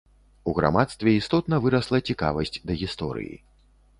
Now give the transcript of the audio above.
У грамадстве істотна вырасла цікавасць да гісторыі.